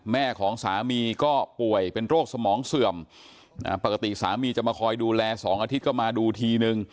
แม่ของสามีก็ป่วยเป็นโรคสมองเสื่อมปกติสามีจะมาคอยดูแล๒อาทิตย์ก็มาดูทีนึง